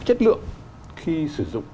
chất lượng khi sử dụng